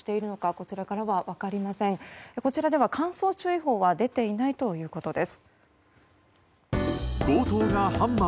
こちらでは乾燥注意報は出ていないということです。